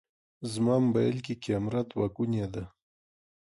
زما موبایل کې کمېره دوهګونې ده.